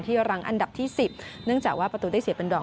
รังอันดับที่๑๐เนื่องจากว่าประตูได้เสียเป็นดอก